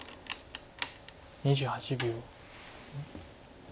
２８秒。